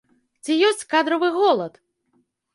Ці ёсць кадравы голад?